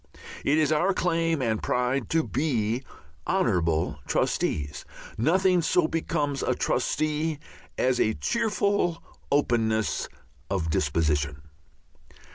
It is our claim and pride to be honourable trustees. Nothing so becomes a trustee as a cheerful openness of disposition.